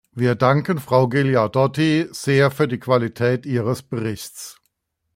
Wir danken Frau Ghilardotti sehr für die Qualität ihres Berichts.